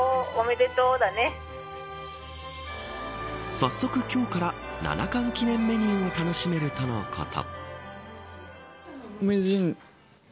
早速今日から七冠記念メニューを楽しめるとのこと。